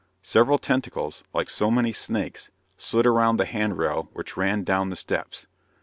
Several tentacles, like so many snakes, slid around the hand rail which ran down the steps.